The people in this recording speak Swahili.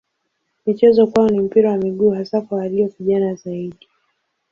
Michezo kwao ni mpira wa miguu hasa kwa walio vijana zaidi.